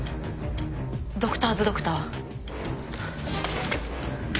ドクターズ・ドクター